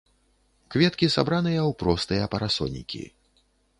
Кветкі сабраныя ў простыя парасонікі.